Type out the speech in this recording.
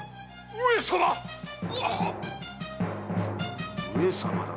上様だと？